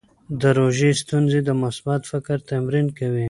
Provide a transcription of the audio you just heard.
د ژوند ستونزې د مثبت فکر تمرین کوي.